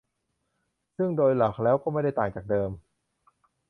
ซึ่งโดยหลักแล้วก็ไม่ได้ต่างจากเดิม